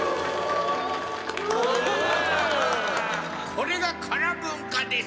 これが唐文化です。